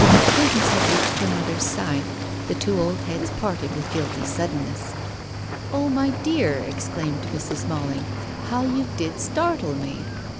Prudence had reached her mother's side. The two old heads parted with guilty suddenness. "Oh, my dear," exclaimed Mrs. Malling, "how you did startle me."